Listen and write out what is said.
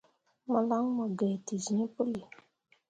Malan mu gai te zĩĩ puli.